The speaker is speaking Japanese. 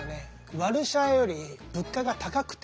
ワルシャワより物価が高くて。